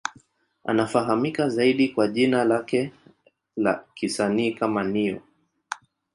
Anafahamika zaidi kwa jina lake la kisanii kama Ne-Yo.